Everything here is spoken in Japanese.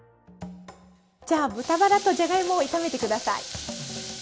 じゃあ豚バラとじゃがいもを炒めて下さい。